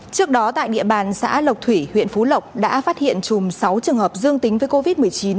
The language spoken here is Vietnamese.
trước đó tại địa bàn xã lộc thủy huyện phú lộc đã phát hiện chùm sáu trường hợp dương tính với covid một mươi chín